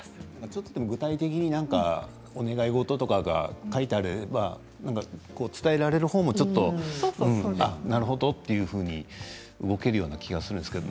ちょっとでも具体的にお願い事が書いてあれば伝えられる方もなるほどっていうふうに動けるような気がしますね。